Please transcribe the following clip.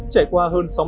trải qua hơn sáu mươi bốn